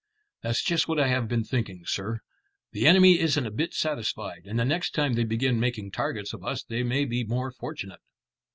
"That's just what I have been thinking, sir. The enemy isn't a bit satisfied, and the next time they begin making targets of us they may be more fortunate."